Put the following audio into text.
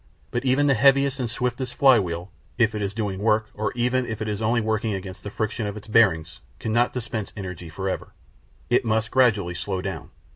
But even the heaviest and swiftest flywheel, if it is doing work, or even if it is only working against the friction of its bearings, cannot dispense energy for ever. It must, gradually, slow down.